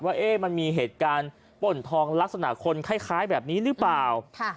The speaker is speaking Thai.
ว่ามันมีเหตุการณ์ป้นทองลักษณะคนคล้ายแบบนี้หรือเปล่า